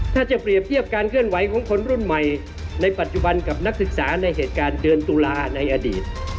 ถ้าจะเปรียบเทียบการเคลื่อนไหวของคนรุ่นใหม่ในปัจจุบันกับนักศึกษาในเหตุการณ์เดือนตุลาในอดีต